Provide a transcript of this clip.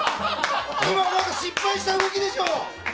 今、失敗した動きでしょ！